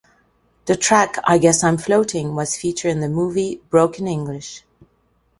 The track "I Guess I'm Floating" was featured in the movie "Broken English".